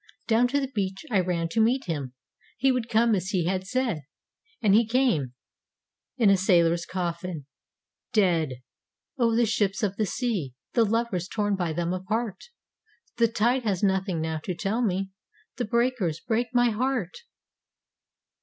Down to the beach I ran to meet him; He would come as he had said: And he came in a sailor's coffin, Dead! ...... O the ships of the sea! the lovers Torn by them apart!... The tide has nothing now to tell me, The breakers break my heart!